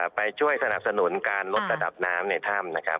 ไปช่วยสนับสนุนการลดระดับน้ำในถ้ำนะครับ